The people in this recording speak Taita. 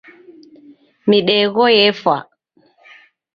Midegho yefwa.